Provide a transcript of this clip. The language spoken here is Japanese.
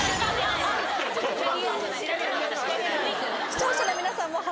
視聴者の皆さんも＃